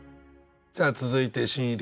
さあ続いて新入り。